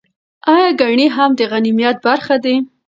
ایا ګېڼي هم د غنیمت برخه دي؟